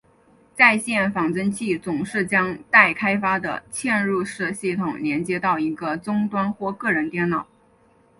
在线仿真器总是将待开发的嵌入式系统连接到一个终端或个人电脑。